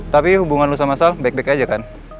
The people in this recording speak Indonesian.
tapi hubungan lo sama sal baik baik aja kan